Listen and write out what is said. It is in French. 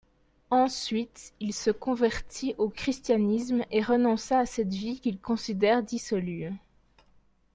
Ensuite, il se convertit au christianisme et renonça à cette vie qu'il considère dissolue.